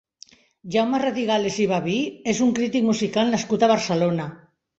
Jaume Radigales i Babí és un crític musical nascut a Barcelona.